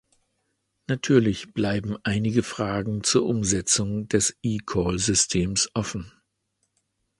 Natürlich bleiben einige Fragen zur Umsetzung des eCall-Systems offen.